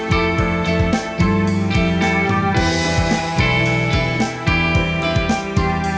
proyek pen propaganda